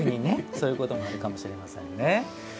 そういうこともあるかもしれませんね。